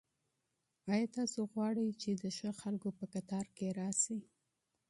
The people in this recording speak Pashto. آیا تاسو غواړئ چي د ښه خلکو په لیست کي راسئ؟